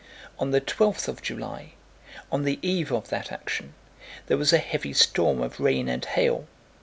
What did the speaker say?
On the twelfth of July, on the eve of that action, there was a heavy storm of rain and hail.